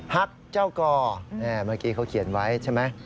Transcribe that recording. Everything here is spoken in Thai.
ฮักเจ้ากอเมื่อกี้เขาเขียนไว้ใช่ไหม